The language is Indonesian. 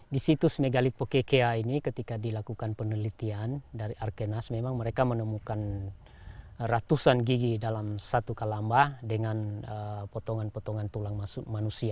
di situs megalith pokekea ini ketika dilakukan penelitian dari arkenas memang mereka menemukan ratusan gigi dalam satu kalambah dengan potongan potongan tulang manusia